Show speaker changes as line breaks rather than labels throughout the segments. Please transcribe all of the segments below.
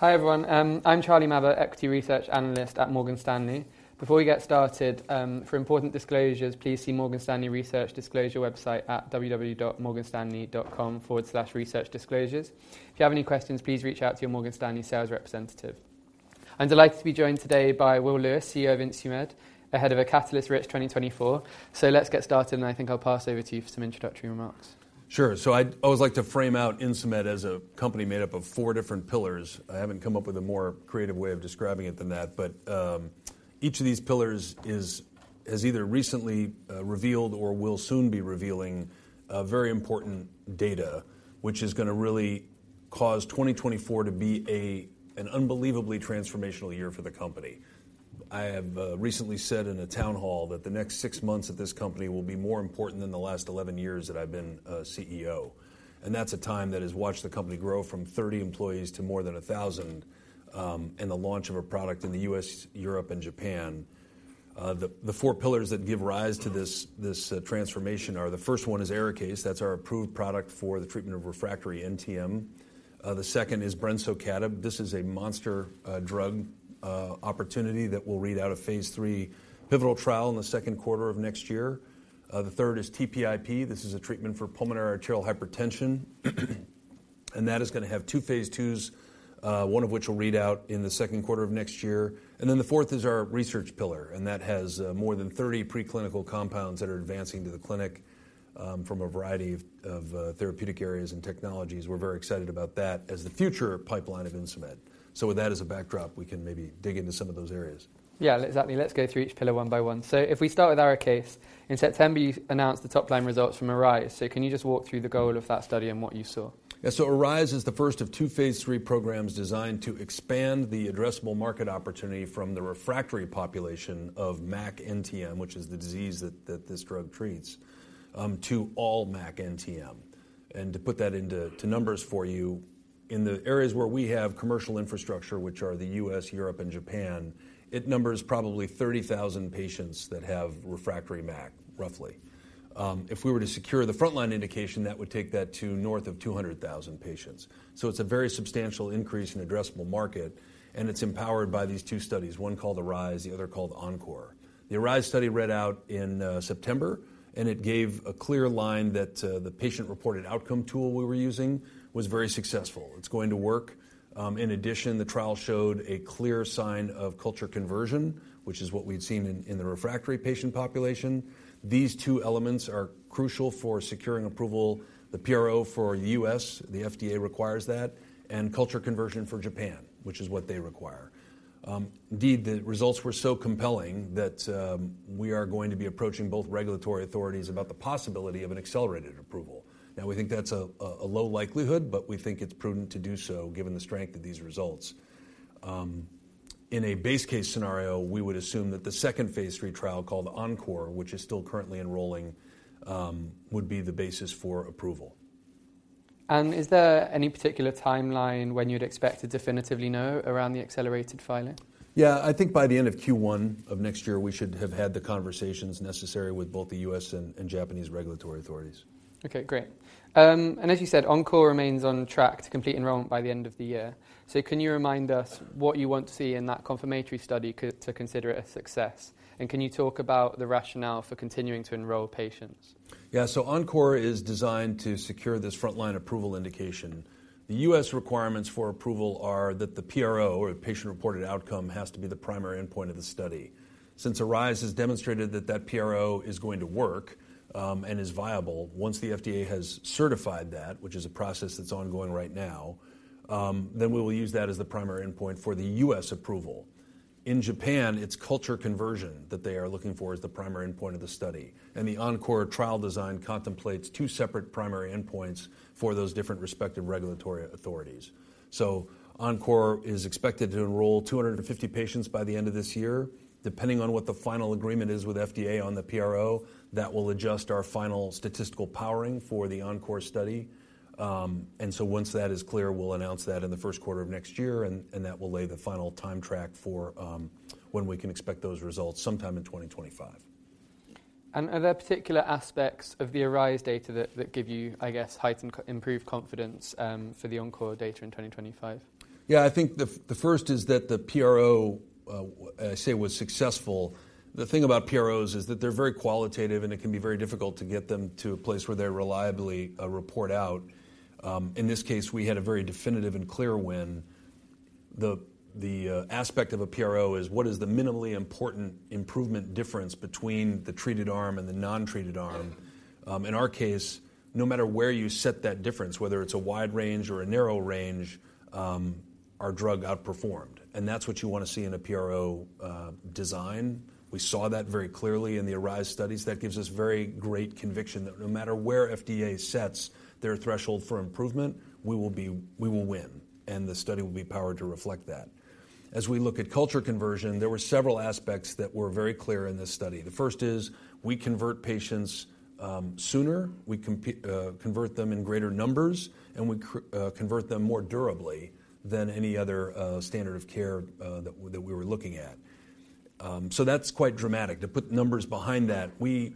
Hi, everyone. I'm Charlie Mabbutt, equity research analyst at Morgan Stanley. Before we get started, for important disclosures, please see Morgan Stanley Research Disclosure website at www.morganstanley.com/researchdisclosures. If you have any questions, please reach out to your Morgan Stanley sales representative. I'm delighted to be joined today by Will Lewis, CEO of Insmed, ahead of a Catalyst Rich 2024. So let's get started, and I think I'll pass over to you for some introductory remarks.
Sure. So I'd always like to frame out Insmed as a company made up of four different pillars. I haven't come up with a more creative way of describing it than that. But each of these pillars has either recently revealed or will soon be revealing very important data, which is gonna really cause 2024 to be an unbelievably transformational year for the company. I have recently said in a town hall that the next six months at this company will be more important than the last 11 years that I've been CEO, and that's a time that has watched the company grow from 30 employees to more than 1,000, and the launch of a product in the U.S., Europe, and Japan. The four pillars that give rise to this transformation are: the first one is ARIKAYCE. That's our approved product for the treatment of refractory NTM. The second is brensocatib. This is a monster drug opportunity that will read out of phase III pivotal trial in the second quarter of next year. The third is TPIP. This is a treatment for pulmonary arterial hypertension, and that is gonna have two phase IIs, one of which will read out in the second quarter of next year. And then the fourth is our research pillar, and that has more than 30 preclinical compounds that are advancing to the clinic from a variety of therapeutic areas and technologies. We're very excited about that as the future pipeline of Insmed. So with that as a backdrop, we can maybe dig into some of those areas.
Yeah, exactly. Let's go through each pillar one by one. So if we start with ARIKAYCE, in September, you announced the top-line results from ARISE. So can you just walk through the goal of that study and what you saw?
Yeah. So ARISE is the first of two phase III programs designed to expand the addressable market opportunity from the refractory population of MAC NTM, which is the disease that this drug treats, to all MAC NTM. And to put that into numbers for you, in the areas where we have commercial infrastructure, which are the U.S., Europe, and Japan, it numbers probably 30,000 patients that have refractory MAC, roughly. If we were to secure the frontline indication, that would take that to north of 200,000 patients. So it's a very substantial increase in addressable market, and it's empowered by these two studies, one called ARISE, the other called ENCORE. The ARISE study read out in September, and it gave a clear line that the patient-reported outcome tool we were using was very successful. It's going to work. In addition, the trial showed a clear sign of culture conversion, which is what we'd seen in the refractory patient population. These two elements are crucial for securing approval. The PRO for the U.S., the FDA requires that, and culture conversion for Japan, which is what they require. Indeed, the results were so compelling that, we are going to be approaching both regulatory authorities about the possibility of an accelerated approval. Now, we think that's a low likelihood, but we think it's prudent to do so, given the strength of these results. In a base case scenario, we would assume that the second phase III trial, called ENCORE, which is still currently enrolling, would be the basis for approval.
Is there any particular timeline when you'd expect to definitively know around the accelerated filing?
Yeah. I think by the end of Q1 of next year, we should have had the conversations necessary with both the U.S. and Japanese regulatory authorities.
Okay, great. And as you said, ENCORE remains on track to complete enrollment by the end of the year. So can you remind us what you want to see in that confirmatory study to consider it a success? And can you talk about the rationale for continuing to enroll patients?
Yeah. So ENCORE is designed to secure this frontline approval indication. The U.S. requirements for approval are that the PRO, or patient-reported outcome, has to be the primary endpoint of the study. Since ARISE has demonstrated that that PRO is going to work, and is viable, once the FDA has certified that, which is a process that's ongoing right now, then we will use that as the primary endpoint for the U.S. approval. In Japan, it's culture conversion that they are looking for as the primary endpoint of the study, and the ENCORE trial design contemplates two separate primary endpoints for those different respective regulatory authorities. So ENCORE is expected to enroll 250 patients by the end of this year. Depending on what the final agreement is with FDA on the PRO, that will adjust our final statistical powering for the ENCORE study. And so once that is clear, we'll announce that in the first quarter of next year, and that will lay the final time track for when we can expect those results sometime in 2025.
Are there particular aspects of the ARISE data that give you, I guess, heightened, improved confidence for the ENCORE data in 2025?
Yeah, I think the first is that the PRO, as I say, was successful. The thing about PROs is that they're very qualitative, and it can be very difficult to get them to a place where they reliably report out. In this case, we had a very definitive and clear win. The aspect of a PRO is what is the minimally important improvement difference between the treated arm and the non-treated arm? In our case, no matter where you set that difference, whether it's a wide range or a narrow range, our drug outperformed, and that's what you want to see in a PRO design. We saw that very clearly in the ARISE studies. That gives us very great conviction that no matter where FDA sets their threshold for improvement, we will be... We will win, and the study will be powered to reflect that. As we look at culture conversion, there were several aspects that were very clear in this study. The first is, we convert patients sooner, we convert them in greater numbers, and we convert them more durably than any other standard of care that we were looking at. So that's quite dramatic. To put numbers behind that, we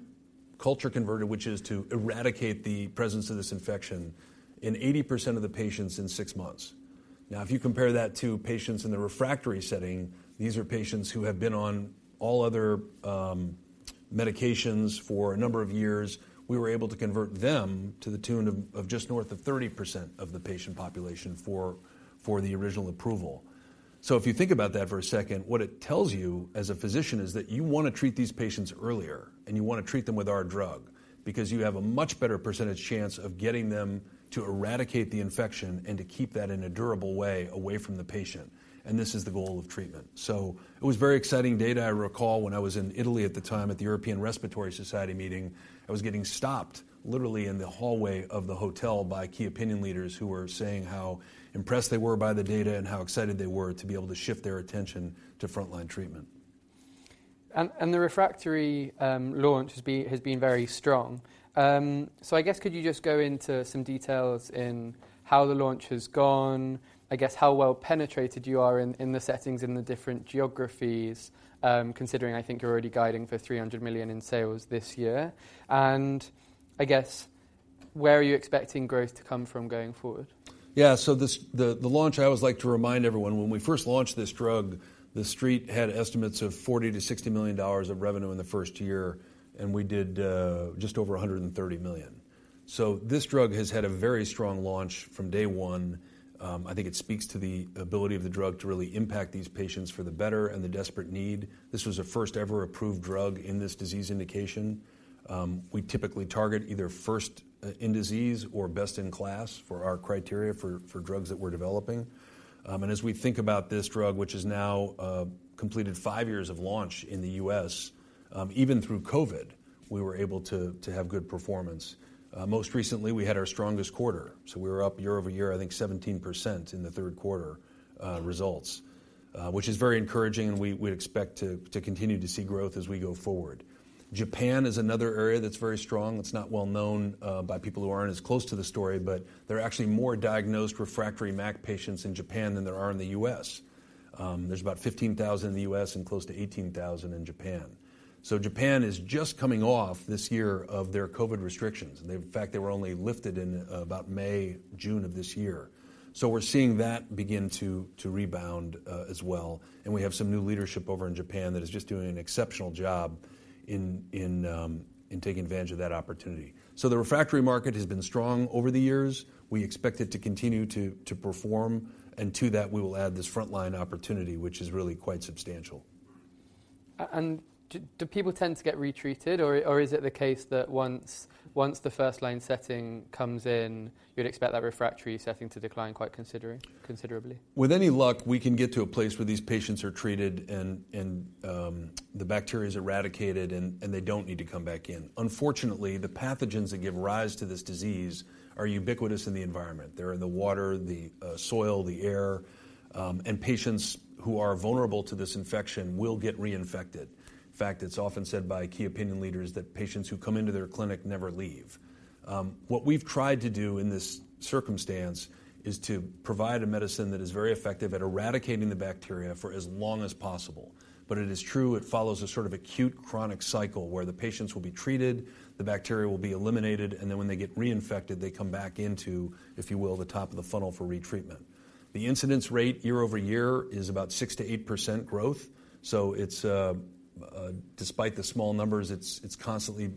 culture converted, which is to eradicate the presence of this infection in 80% of the patients in six months. Now, if you compare that to patients in the refractory setting, these are patients who have been on all other medications for a number of years. We were able to convert them to the tune of just north of 30% of the patient population for the original approval. So if you think about that for a second, what it tells you as a physician is that you wanna treat these patients earlier, and you wanna treat them with our drug because you have a much better percentage chance of getting them to eradicate the infection and to keep that in a durable way away from the patient, and this is the goal of treatment. So it was very exciting data. I recall when I was in Italy at the time, at the European Respiratory Society meeting, I was getting stopped, literally in the hallway of the hotel by key opinion leaders who were saying how impressed they were by the data and how excited they were to be able to shift their attention to frontline treatment.
The refractory launch has been very strong. So I guess could you just go into some details in how the launch has gone, I guess how well penetrated you are in the settings, in the different geographies, considering I think you're already guiding for $300 million in sales this year? I guess, where are you expecting growth to come from going forward?
Yeah. So the launch, I always like to remind everyone, when we first launched this drug, the Street had estimates of $40 million-$60 million of revenue in the first year, and we did just over $130 million. So this drug has had a very strong launch from day one. I think it speaks to the ability of the drug to really impact these patients for the better and the desperate need. This was a first-ever approved drug in this disease indication. We typically target either first in disease or best in class for our criteria for drugs that we're developing. And as we think about this drug, which has now completed five years of launch in the U.S., even through COVID, we were able to have good performance. Most recently, we had our strongest quarter, so we were up year-over-year, I think 17% in the third quarter results, which is very encouraging, and we'd expect to continue to see growth as we go forward. Japan is another area that's very strong. It's not well known by people who aren't as close to the story, but there are actually more diagnosed refractory MAC patients in Japan than there are in the U.S. There's about 15,000 in the U.S. and close to 18,000 in Japan. So Japan is just coming off this year of their COVID restrictions, and in fact, they were only lifted in about May, June of this year. So we're seeing that begin to rebound as well, and we have some new leadership over in Japan that is just doing an exceptional job in taking advantage of that opportunity. So the refractory market has been strong over the years. We expect it to continue to perform, and to that, we will add this frontline opportunity, which is really quite substantial.
And do people tend to get retreated, or is it the case that once the first-line setting comes in, you'd expect that refractory setting to decline quite considerably?
With any luck, we can get to a place where these patients are treated and the bacteria is eradicated, and they don't need to come back in. Unfortunately, the pathogens that give rise to this disease are ubiquitous in the environment. They're in the water, the soil, the air, and patients who are vulnerable to this infection will get reinfected. In fact, it's often said by key opinion leaders that patients who come into their clinic never leave. What we've tried to do in this circumstance is to provide a medicine that is very effective at eradicating the bacteria for as long as possible. But it is true, it follows a sort of acute-chronic cycle where the patients will be treated, the bacteria will be eliminated, and then when they get reinfected, they come back into, if you will, the top of the funnel for retreatment. The incidence rate year-over-year is about 6%-8% growth, so it's, despite the small numbers, it's constantly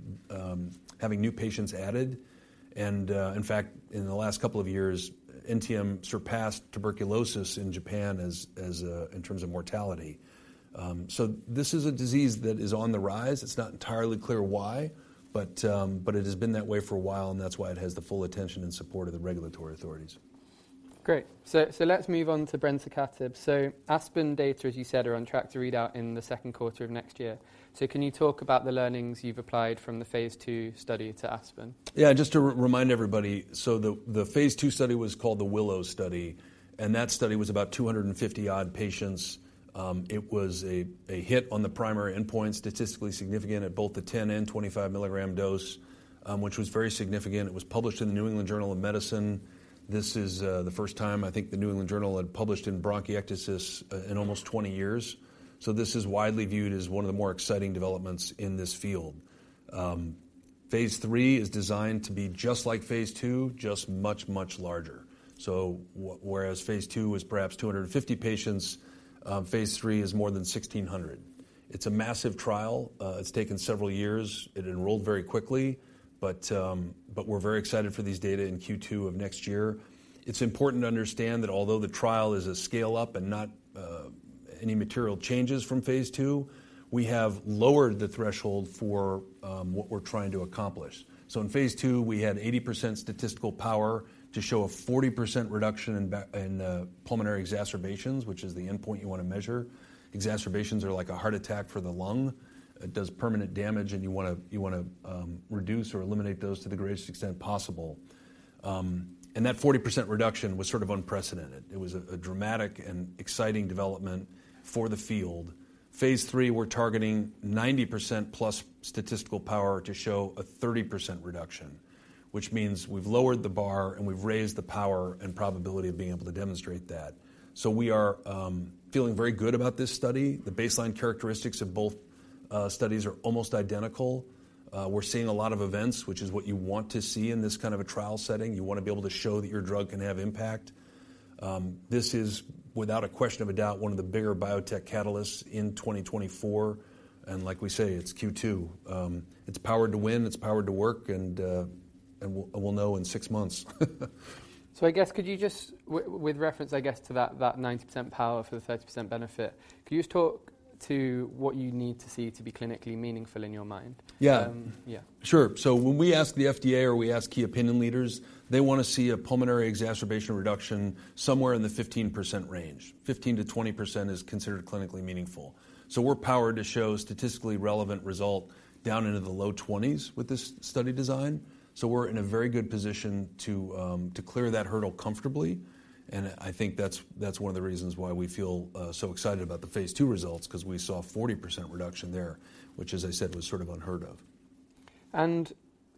having new patients added. And, in fact, in the last couple of years, NTM surpassed tuberculosis in Japan as, in terms of mortality. So this is a disease that is on the rise. It's not entirely clear why, but, but it has been that way for a while, and that's why it has the full attention and support of the regulatory authorities.
Great! So, so let's move on to brensocatib. So ASPEN data, as you said, are on track to read out in the second quarter of next year. So can you talk about the learnings you've applied from the phase II study to ASPEN?
Yeah, just to remind everybody, so the phase II study was called the WILLOW study, and that study was about 250 odd patients. It was a hit on the primary endpoint, statistically significant at both the 10 mg and 25 mg dose, which was very significant. It was published in the New England Journal of Medicine. This is the first time I think the New England Journal had published in bronchiectasis in almost 20 years. So this is widely viewed as one of the more exciting developments in this field. Phase III is designed to be just like phase II, just much, much larger. So whereas phase II was perhaps 250 patients, phase III is more than 1,600. It's a massive trial. It's taken several years. It enrolled very quickly, but we're very excited for these data in Q2 of next year. It's important to understand that although the trial is a scale-up and not any material changes from phase II, we have lowered the threshold for what we're trying to accomplish. So in phase II, we had 80% statistical power to show a 40% reduction in pulmonary exacerbations, which is the endpoint you wanna measure. Exacerbations are like a heart attack for the lung. It does permanent damage, and you wanna reduce or eliminate those to the greatest extent possible. And that 40% reduction was sort of unprecedented. It was a dramatic and exciting development for the field. Phase III, we're targeting 90%+ statistical power to show a 30% reduction, which means we've lowered the bar, and we've raised the power and probability of being able to demonstrate that. So we are feeling very good about this study. The baseline characteristics of both studies are almost identical. We're seeing a lot of events, which is what you want to see in this kind of a trial setting. You want to be able to show that your drug can have impact. This is, without a question of a doubt, one of the bigger biotech catalysts in 2024, and like we say, it's Q2. It's powered to win, it's powered to work, and we'll know in six months.
So, I guess, could you just, with reference, I guess, to that, that 90% power for the 30% benefit, can you just talk to what you need to see to be clinically meaningful in your mind?
Yeah.
Um, yeah.
Sure. So when we ask the FDA or we ask key opinion leaders, they want to see a pulmonary exacerbation reduction somewhere in the 15% range. 15%-20% is considered clinically meaningful. So we're powered to show statistically relevant result down into the low 20s with this study design. So we're in a very good position to to clear that hurdle comfortably, and I think that's, that's one of the reasons why we feel so excited about the phase II results, 'cause we saw a 40% reduction there, which, as I said, was sort of unheard of.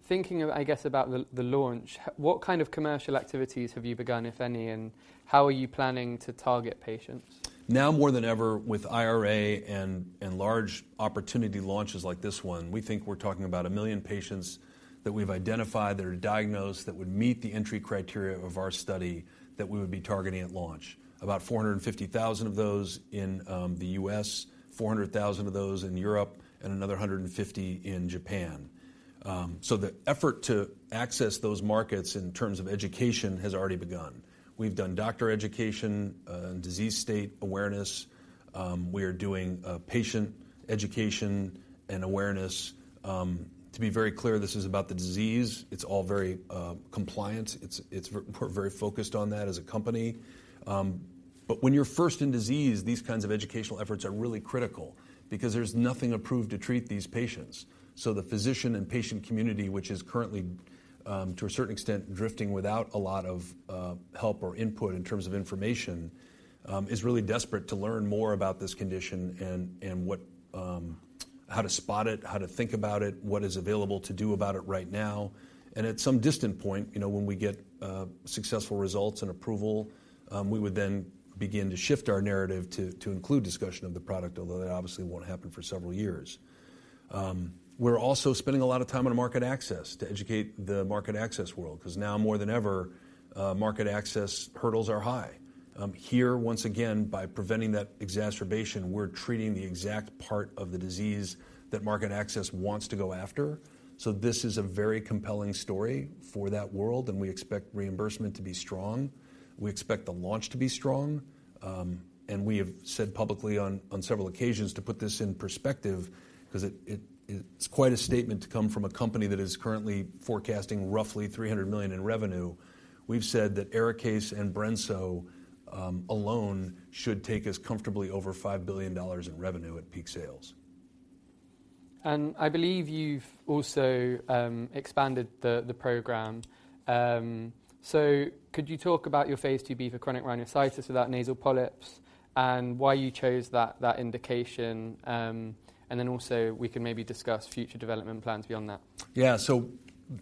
Thinking of, I guess, about the launch, what kind of commercial activities have you begun, if any, and how are you planning to target patients?
Now, more than ever, with IRA and large opportunity launches like this one, we think we're talking about 1 million patients that we've identified, that are diagnosed, that would meet the entry criteria of our study, that we would be targeting at launch. About 450,000 of those in the U.S., 400,000 of those in Europe, and another 150 in Japan. So the effort to access those markets in terms of education has already begun. We've done doctor education and disease state awareness. We're doing patient education and awareness. To be very clear, this is about the disease. It's all very compliant. It's, it's very. We're very focused on that as a company. When you're first in disease, these kinds of educational efforts are really critical because there's nothing approved to treat these patients. The physician and patient community, which is currently, to a certain extent, drifting without a lot of help or input in terms of information, is really desperate to learn more about this condition and how to spot it, how to think about it, what is available to do about it right now. At some distant point, you know, when we get successful results and approval, we would then begin to shift our narrative to include discussion of the product, although that obviously won't happen for several years. We're also spending a lot of time on market access, to educate the market access world, 'cause now more than ever, market access hurdles are high. Here, once again, by preventing that exacerbation, we're treating the exact part of the disease that market access wants to go after. So this is a very compelling story for that world, and we expect reimbursement to be strong. We expect the launch to be strong. And we have said publicly on several occasions, to put this in perspective, 'cause it's quite a statement to come from a company that is currently forecasting roughly $300 million in revenue. We've said that ARIKAYCE and BRENSO alone should take us comfortably over $5 billion in revenue at peak sales.
I believe you've also expanded the program. So could you talk about your phase II-B for chronic rhinosinusitis without nasal polyps, and why you chose that indication? And then also, we can maybe discuss future development plans beyond that.
Yeah. So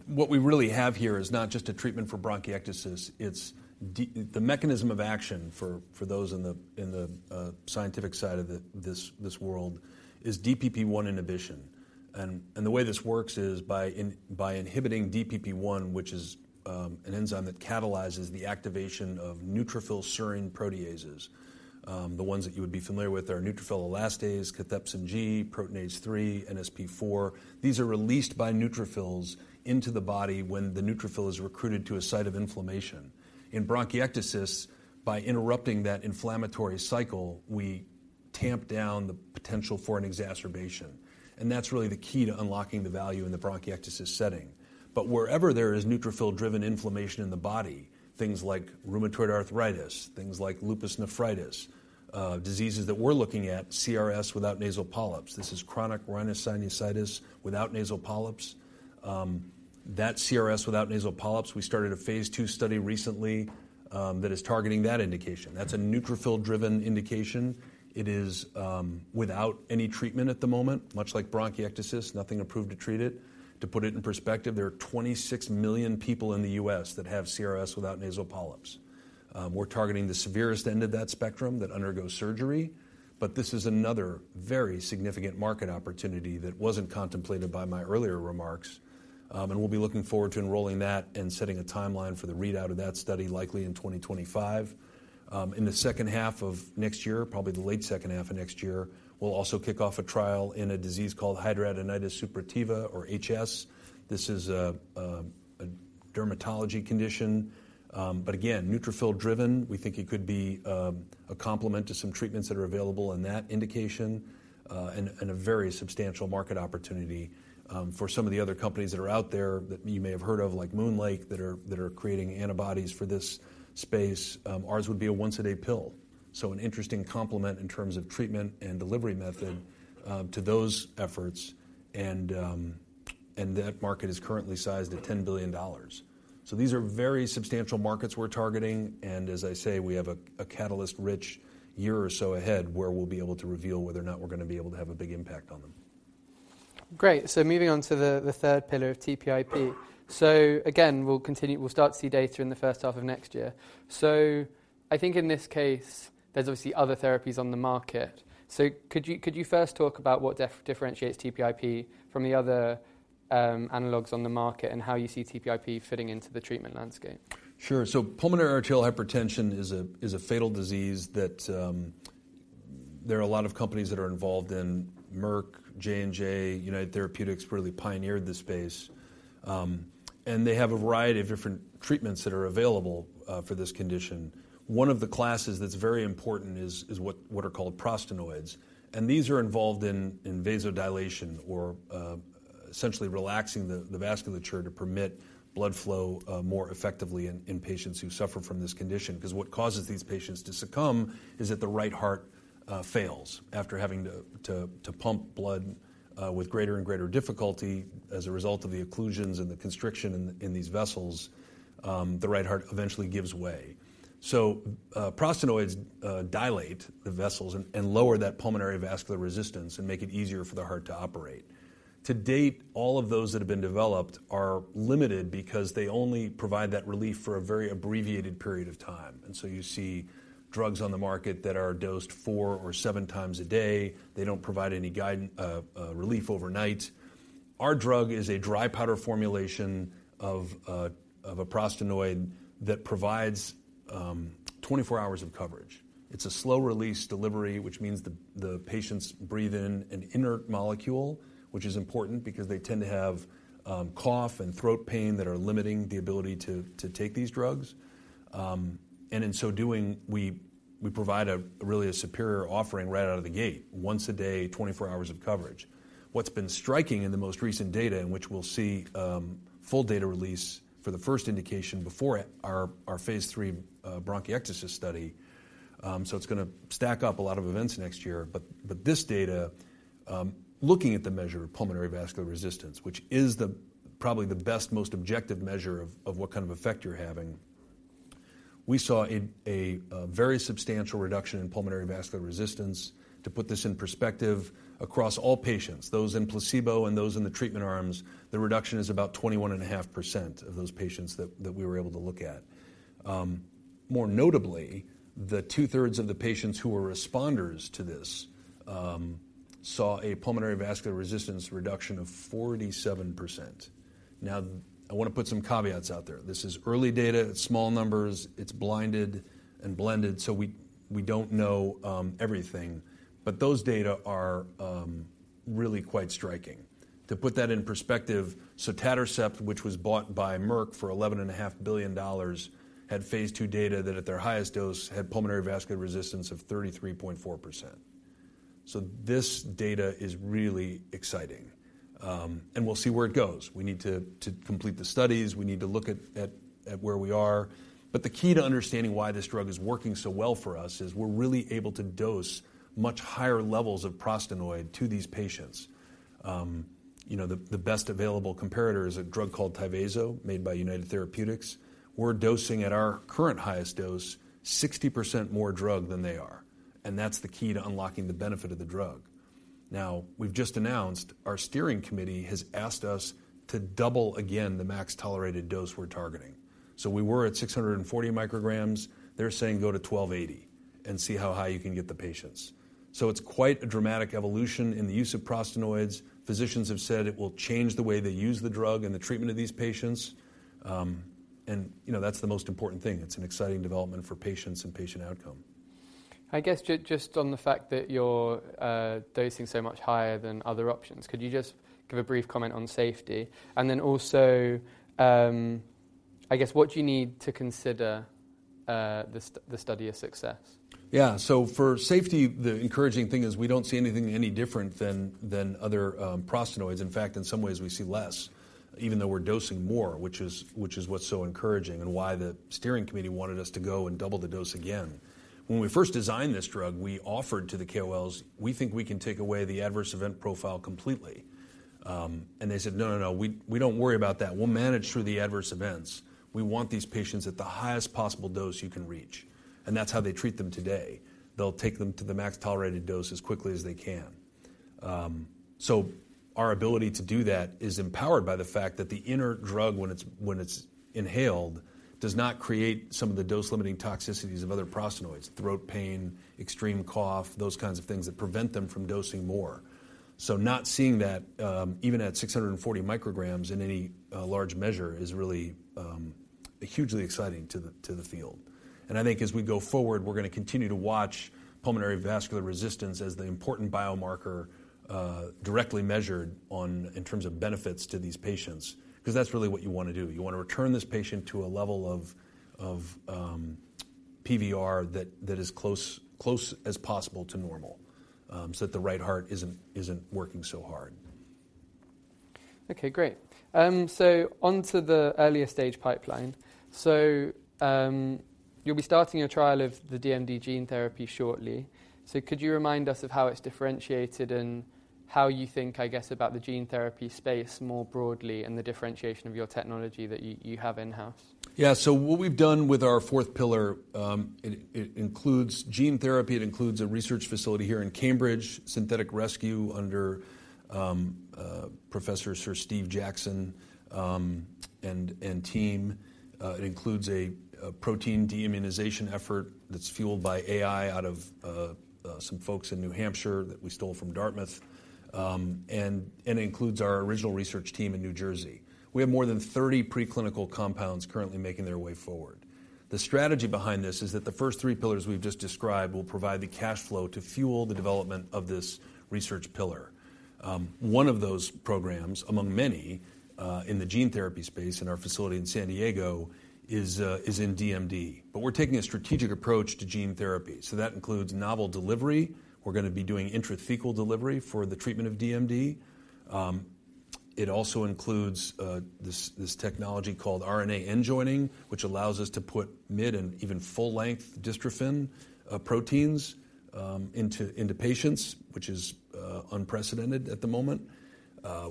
what we really have here is not just a treatment for bronchiectasis, it's the mechanism of action for those in the scientific side of this world is DPP-1 inhibition. And the way this works is by inhibiting DPP-1, which is an enzyme that catalyzes the activation of neutrophil serine proteases. The ones that you would be familiar with are neutrophil elastase, cathepsin G, proteinase 3, NSP4. These are released by neutrophils into the body when the neutrophil is recruited to a site of inflammation. In bronchiectasis, by interrupting that inflammatory cycle, we tamp down the potential for an exacerbation, and that's really the key to unlocking the value in the bronchiectasis setting. But wherever there is neutrophil-driven inflammation in the body, things like rheumatoid arthritis, things like lupus nephritis, diseases that we're looking at, CRS without nasal polyps. This is chronic rhinosinusitis without nasal polyps. That CRS without nasal polyps, we started a phase II study recently, that is targeting that indication. That's a neutrophil-driven indication. It is without any treatment at the moment, much like bronchiectasis, nothing approved to treat it. To put it in perspective, there are 26 million people in the U.S. that have CRS without nasal polyps. We're targeting the severest end of that spectrum that undergoes surgery, but this is another very significant market opportunity that wasn't contemplated by my earlier remarks. And we'll be looking forward to enrolling that and setting a timeline for the readout of that study, likely in 2025. In the second half of next year, probably the late second half of next year, we'll also kick off a trial in a disease called hidradenitis suppurativa, or HS. This is a dermatology condition, but again, neutrophil driven. We think it could be a complement to some treatments that are available in that indication, and a very substantial market opportunity. For some of the other companies that are out there that you may have heard of, like MoonLake, that are creating antibodies for this space, ours would be a once-a-day pill. So an interesting complement in terms of treatment and delivery method to those efforts, and that market is currently sized at $10 billion. So these are very substantial markets we're targeting, and as I say, we have a catalyst-rich year or so ahead, where we'll be able to reveal whether or not we're gonna be able to have a big impact on them. ...
Great! So moving on to the third pillar of TPIP. So again, we'll continue. We'll start to see data in the first half of next year. So I think in this case, there's obviously other therapies on the market. So could you first talk about what differentiates TPIP from the other analogs on the market, and how you see TPIP fitting into the treatment landscape?
Sure. So pulmonary arterial hypertension is a fatal disease that there are a lot of companies that are involved in, Merck, J&J, United Therapeutics really pioneered this space. And they have a variety of different treatments that are available for this condition. One of the classes that's very important is what are called prostanoids, and these are involved in vasodilation or essentially relaxing the vasculature to permit blood flow more effectively in patients who suffer from this condition. Because what causes these patients to succumb is that the right heart fails. After having to pump blood with greater and greater difficulty as a result of the occlusions and the constriction in these vessels, the right heart eventually gives way. So, prostanoids dilate the vessels and lower that pulmonary vascular resistance and make it easier for the heart to operate. To date, all of those that have been developed are limited because they only provide that relief for a very abbreviated period of time, and so you see drugs on the market that are dosed four or seven times a day. They don't provide any relief overnight. Our drug is a dry powder formulation of a prostanoid that provides 24 hours of coverage. It's a slow-release delivery, which means the patients breathe in an inert molecule, which is important because they tend to have cough and throat pain that are limiting the ability to take these drugs. And in so doing, we provide a really superior offering right out of the gate, once a day, 24 hours of coverage. What's been striking in the most recent data, in which we'll see full data release for the first indication before our phase III bronchiectasis study. So it's gonna stack up a lot of events next year. But this data, looking at the measure of pulmonary vascular resistance, which is probably the best, most objective measure of what kind of effect you're having. We saw a very substantial reduction in pulmonary vascular resistance. To put this in perspective, across all patients, those in placebo and those in the treatment arms, the reduction is about 21.5% of those patients that we were able to look at. More notably, the 2/3 of the patients who were responders to this saw a pulmonary vascular resistance reduction of 47%. Now, I wanna put some caveats out there. This is early data. It's small numbers. It's blinded and blended, so we don't know everything. But those data are really quite striking. To put that in perspective, so sotatercept, which was bought by Merck for $11.5 billion, had phase II data that, at their highest dose, had pulmonary vascular resistance of 33.4%. So this data is really exciting, and we'll see where it goes. We need to complete the studies. We need to look at where we are. But the key to understanding why this drug is working so well for us is we're really able to dose much higher levels of prostanoid to these patients. You know, the best available comparator is a drug called Tyvaso, made by United Therapeutics. We're dosing at our current highest dose, 60% more drug than they are, and that's the key to unlocking the benefit of the drug. Now, we've just announced, our steering committee has asked us to double again the max tolerated dose we're targeting. So we were at 640 micrograms. They're saying, "Go to 1,280 and see how high you can get the patients." So it's quite a dramatic evolution in the use of prostanoids. Physicians have said it will change the way they use the drug in the treatment of these patients. You know, that's the most important thing. It's an exciting development for patients and patient outcome.
I guess just on the fact that you're dosing so much higher than other options, could you just give a brief comment on safety? And then also, I guess, what do you need to consider the study a success?
Yeah. So for safety, the encouraging thing is we don't see anything any different than other prostanoids. In fact, in some ways, we see less, even though we're dosing more, which is what's so encouraging and why the steering committee wanted us to go and double the dose again. When we first designed this drug, we offered to the KOLs, "We think we can take away the adverse event profile completely." And they said: "No, no, no, we don't worry about that. We'll manage through the adverse events. We want these patients at the highest possible dose you can reach," and that's how they treat them today. They'll take them to the max tolerated dose as quickly as they can. So our ability to do that is empowered by the fact that the inhaled drug, when it's inhaled, does not create some of the dose-limiting toxicities of other prostanoids: throat pain, extreme cough, those kinds of things that prevent them from dosing more. So not seeing that, even at 640 micrograms in any large measure, is really hugely exciting to the field. And I think as we go forward, we're gonna continue to watch pulmonary vascular resistance as the important biomarker, directly measured in terms of benefits to these patients, 'cause that's really what you wanna do. You wanna return this patient to a level of PVR that is as close as possible to normal, so that the right heart isn't working so hard.
Okay, great. On to the earlier stage pipeline. You'll be starting a trial of the DMD gene therapy shortly. Could you remind us of how it's differentiated and how you think, I guess, about the gene therapy space more broadly and the differentiation of your technology that you have in-house?
Yeah. So what we've done with our fourth pillar, it includes gene therapy. It includes a research facility here in Cambridge, Synthetic Rescue, under Professor Sir Steve Jackson, and team. It includes a protein deimmunization effort that's fueled by AI out of some folks in New Hampshire that we stole from Dartmouth. And includes our original research team in New Jersey. We have more than 30 preclinical compounds currently making their way forward. The strategy behind this is that the first three pillars we've just described will provide the cash flow to fuel the development of this research pillar. One of those programs, among many, in the gene therapy space in our facility in San Diego, is in DMD. But we're taking a strategic approach to gene therapy, so that includes novel delivery. We're gonna be doing intrathecal delivery for the treatment of DMD. It also includes this technology called RNA enjoining, which allows us to put mid and even full-length dystrophin proteins into patients, which is unprecedented at the moment.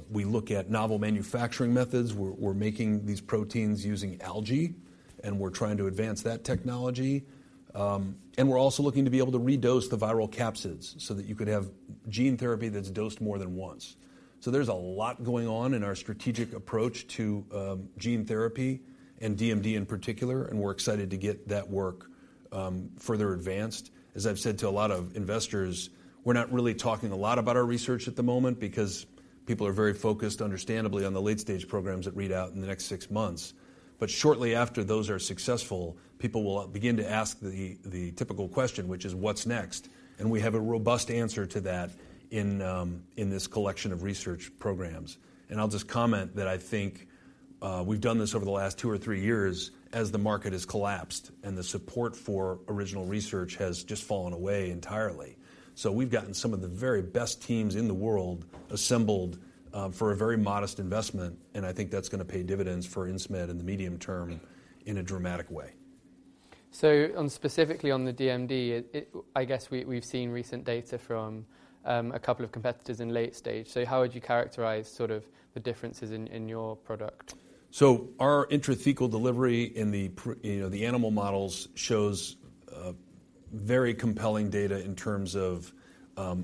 We look at novel manufacturing methods. We're making these proteins using algae, and we're trying to advance that technology. And we're also looking to be able to redose the viral capsids so that you could have gene therapy that's dosed more than once. So there's a lot going on in our strategic approach to gene therapy and DMD in particular, and we're excited to get that work further advanced. As I've said to a lot of investors, we're not really talking a lot about our research at the moment because people are very focused, understandably, on the late-stage programs that read out in the next six months. But shortly after those are successful, people will begin to ask the typical question, which is: What's next? And we have a robust answer to that in this collection of research programs. And I'll just comment that I think we've done this over the last two or three years as the market has collapsed, and the support for original research has just fallen away entirely. So we've gotten some of the very best teams in the world assembled for a very modest investment, and I think that's gonna pay dividends for Insmed in the medium term in a dramatic way.
So, specifically on the DMD, I guess we've seen recent data from a couple of competitors in late stage. So how would you characterize sort of the differences in your product?
So our intrathecal delivery in the, you know, animal models shows very compelling data in terms of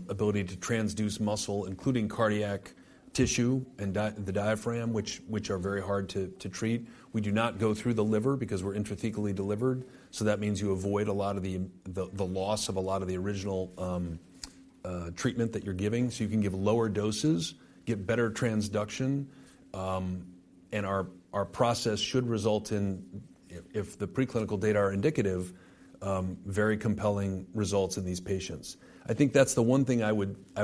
ability to transduce muscle, including cardiac tissue and the diaphragm, which are very hard to treat. We do not go through the liver because we're intrathecally delivered, so that means you avoid a lot of the loss of a lot of the original treatment that you're giving. So you can give lower doses, get better transduction, and our process should result in, if the preclinical data are indicative, very compelling results in these patients. I think that's the one thing I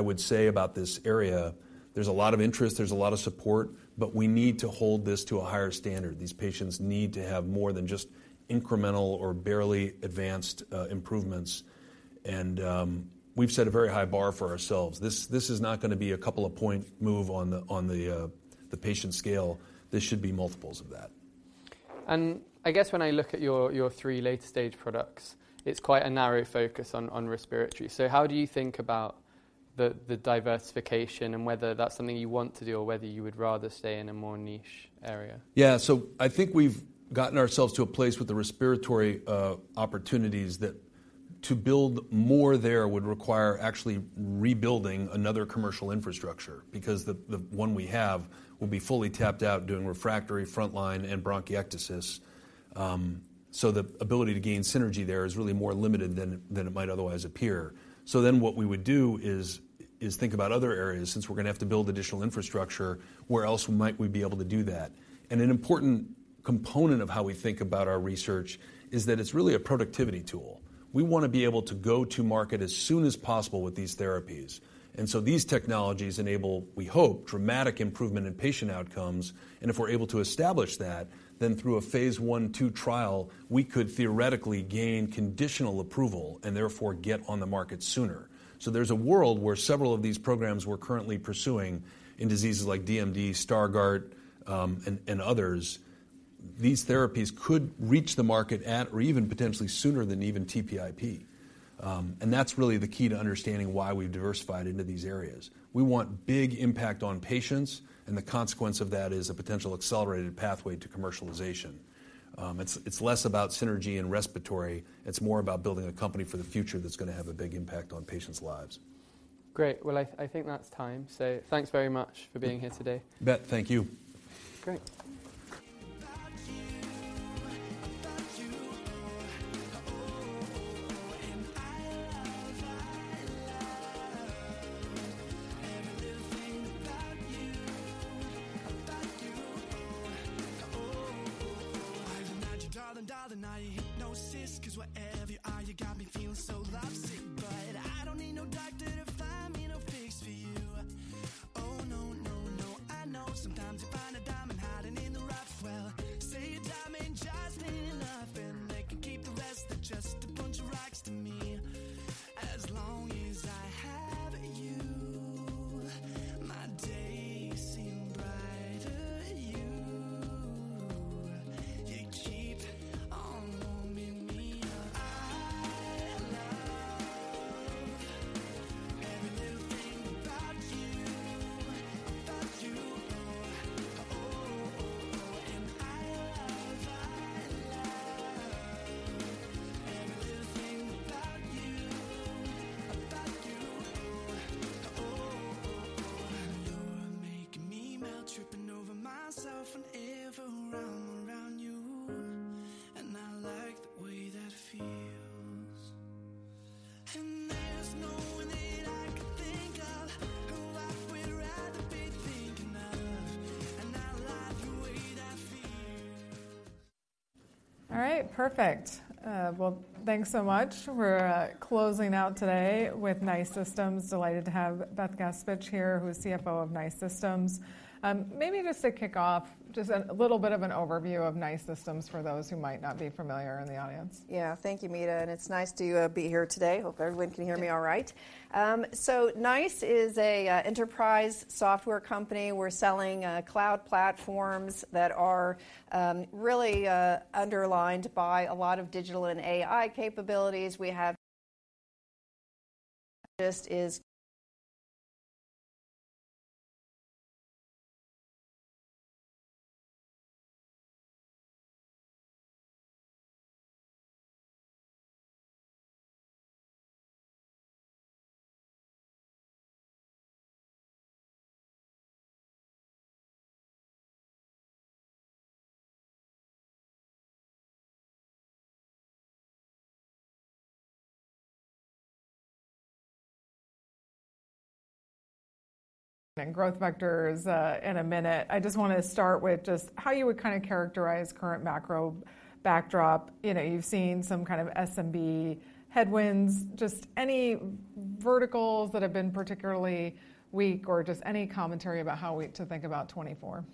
would say about this area. There's a lot of interest, there's a lot of support, but we need to hold this to a higher standard. These patients need to have more than just incremental or barely advanced improvements, and we've set a very high bar for ourselves. This is not gonna be a couple of point move on the patient scale. This should be multiples of that.
I guess when I look at your, your three late-stage products, it's quite a narrow focus on, on respiratory. So how do you think about the, the diversification and whether that's something you want to do, or whether you would rather stay in a more niche area?
Yeah. So I think we've gotten ourselves to a place with the respiratory opportunities that to build more there would require actually rebuilding another commercial infrastructure because the one we have will be fully tapped out, doing refractory, frontline, and bronchiectasis. So the ability to gain synergy there is really more limited than it might otherwise appear. So then, what we would do is think about other areas. Since we're gonna have to build additional infrastructure, where else might we be able to do that? And an important component of how we think about our research is that it's really a productivity tool. We wanna be able to go to market as soon as possible with these therapies. So these technologies enable, we hope, dramatic improvement in patient outcomes, and if we're able to establish that, then through a phase I/II trial, we could theoretically gain conditional approval and therefore get on the market sooner. So there's a world where several of these programs we're currently pursuing in diseases like DMD, Stargardt, and others, these therapies could reach the market at or even potentially sooner than even TPIP. And that's really the key to understanding why we've diversified into these areas. We want big impact on patients, and the consequence of that is a potential accelerated pathway to commercialization. It's less about synergy and respiratory, it's more about building a company for the future that's gonna have a big impact on patients' lives.
Great. Well, I think that's time. So thanks very much for being here today.
You bet. Thank you.
Great.
All right, perfect. Well, thanks so much. We're closing out today with NiCE Systems. Delighted to have Beth Gaspich here, who's CFO of NiCE Systems. Maybe just to kick off, just a little bit of an overview of NiCE Systems for those who might not be familiar in the audience.
Yeah. Thank you, Meta, and it's NiCE to be here today. Hope everyone can hear me all right. So NiCE is an enterprise software company. We're selling cloud platforms that are really underlined by a lot of digital and AI capabilities. We have... Just is-
Growth vectors in a minute. I just want to start with just how you would kind of characterize current macro backdrop. You know, you've seen some kind of SMB headwinds. Just any verticals that have been particularly weak or just any commentary about how we to think about 2024.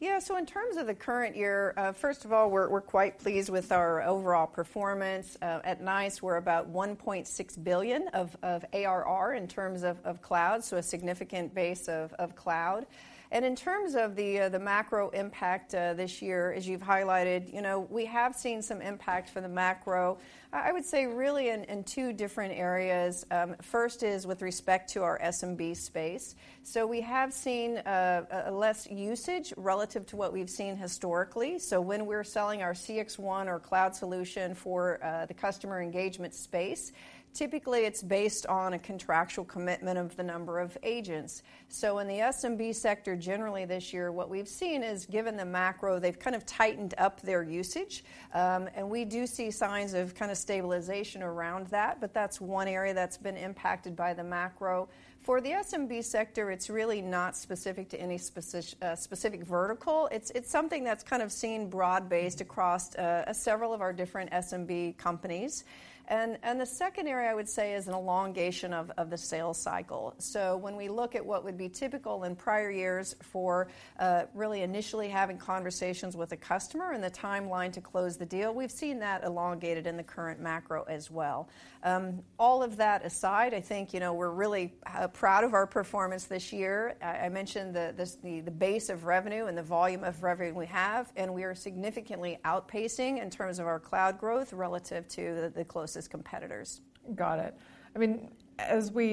Yeah. So in terms of the current year, first of all, we're, we're quite pleased with our overall performance. At NiCE, we're about $1.6 billion of ARR in terms of cloud, so a significant base of cloud. And in terms of the macro impact, this year, as you've highlighted, you know, we have seen some impact for the macro, I would say really in two different areas. First is with respect to our SMB space. So we have seen less usage relative to what we've seen historically. So when we're selling our CXone or cloud solution for the customer engagement space, typically it's based on a contractual commitment of the number of agents. So in the SMB sector, generally this year, what we've seen is, given the macro, they've kind of tightened up their usage, and we do see signs of kind of stabilization around that, but that's one area that's been impacted by the macro. For the SMB sector, it's really not specific to any specific vertical. It's something that's kind of seen broad-based across several of our different SMB companies. And the second area, I would say, is an elongation of the sales cycle. So when we look at what would be typical in prior years for really initially having conversations with a customer and the timeline to close the deal, we've seen that elongated in the current macro as well. All of that aside, I think, you know, we're really proud of our performance this year. I mentioned the base of revenue and the volume of revenue we have, and we are significantly outpacing in terms of our cloud growth relative to the closest competitors.
Got it. I mean, as we-